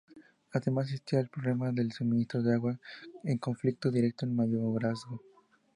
Además existía el problema del suministro de agua en conflicto directo con Mayorazgo.